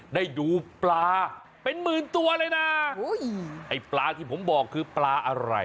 ได้ดูปลาเป็นหมื่นตัวเลยนะไอ้ปลาที่ผมบอกคือปลาอะไร